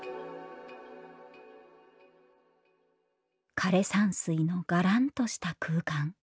枯山水のがらんとした空間。